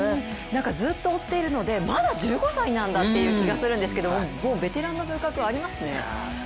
なんかずっと追っているのいでまだ１５歳なんだという気がするんですけれどももうベテランの風格ありますね。